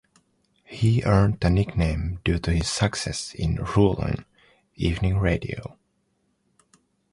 He earned the nickname due to his success in "ruling" evening radio.